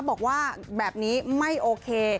บอกว่าแบบนี้ไม่โอเค